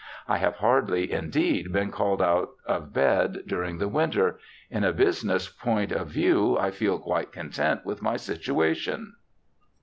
I have hardly, indeed, been called out of bed during the winter. In a business point of view I feel quite content with my situation.'